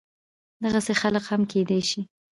دغسې خلق هم کيدی شي